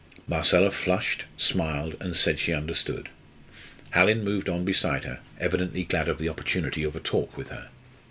Marcella flushed, smiled, and said she understood. Hallin moved on beside her, evidently glad of the opportunity of a talk with her.